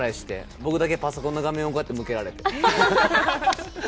僕だけパソコンの画面を向けられて。